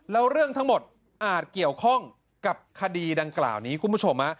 แล้วเรื่องทั้งหมดอาจเกี่ยวข้องกับคดีดังกล่าวนี้คุณผู้ชม